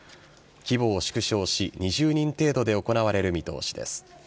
規模を縮小し２０人程度で行われる見通しです。